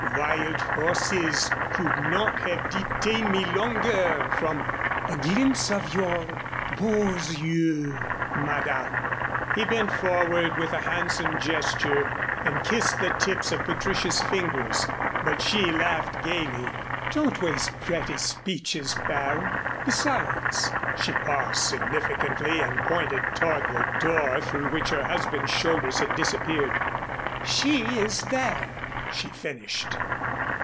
"Wild horses could not have detained me longer, from a glimpse of your beaux yeux, Madame." He bent forward with a handsome gesture and kissed the tips of Patricia's fingers, but she laughed gaily. "Don't waste pretty speeches, Baron. Besides " she paused significantly and pointed toward the door through which her husband's shoulders had disappeared, "she is there," she finished.